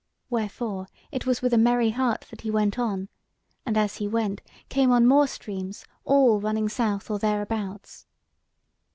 Wherefore it was with a merry heart that he went on, and as he went, came on more streams, all running south or thereabouts.